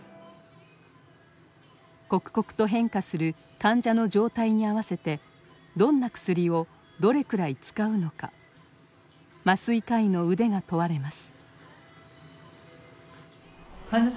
刻々と変化する患者の状態に合わせてどんな薬をどれくらい使うのか麻酔科医の腕が問われます。